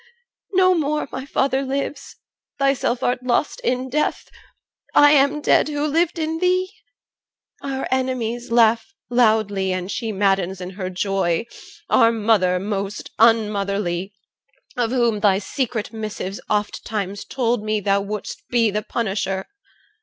No more My father lives, thyself art lost in death, I am dead, who lived in thee. Our enemies Laugh loudly, and she maddens in her joy, Our mother most unmotherly, of whom Thy secret missives ofttimes told me, thou Wouldst be the punisher.